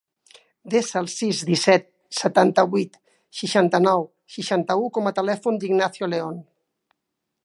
Desa el sis, disset, setanta-vuit, seixanta-nou, seixanta-u com a telèfon de l'Ignacio Leon.